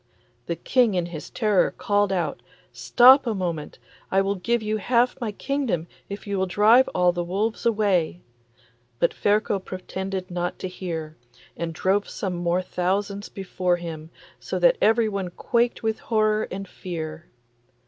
The King in his terror called out, 'Stop a moment; I will give you half my kingdom if you will drive all the wolves away.' But Ferko pretended not to hear, and drove some more thousands before him, so that everyone quaked with horror and fear.